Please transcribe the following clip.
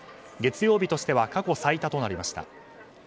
月曜日としては過去最多となりました。